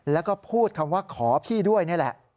แล้วก็พูดคำว่าขอพี่ด้วยนี่แหละ